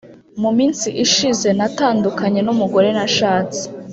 muminsi ishize natandukanye numugore nashatse